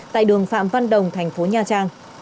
tại đường phạm văn đồng thành phố nha trang